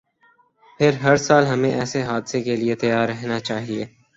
پھر ہرسال ہمیں ایسے حادثے کے لیے تیار رہنا چاہیے۔